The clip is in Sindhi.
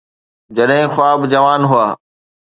جڏهن خواب جوان هئا.